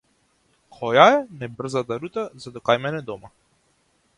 Која е најбрзата рута за до кај мене дома?